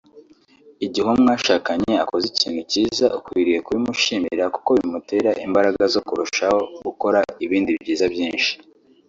igihe uwo mwashakanye akoze ikintu cyiza ukwiye kubimushimira kuko bimutera imbaraga zo kurushaho gukora ibindi byiza byinshi